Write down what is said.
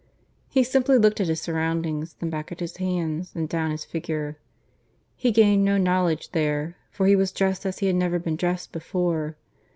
He simply looked at his surroundings, then back at his hands and down his figure. He gained no knowledge there, for he was dressed as he had never been dressed before.